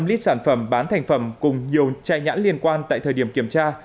một trăm linh lít sản phẩm bán thành phẩm cùng nhiều chai nhãn liên quan tại thời điểm kiểm tra